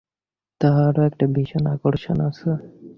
তাহারও একটা ভীষণ আকর্ষণ আছে।